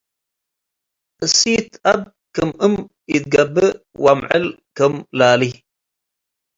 እሲት አብ ክም እም ኢትገብእ ወአምዕል ክም ላሊ።